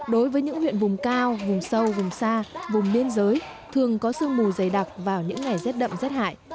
đối với những huyện vùng cao vùng sâu vùng xa vùng biên giới thường có sương mù dày đặc vào những ngày rét đậm rét hại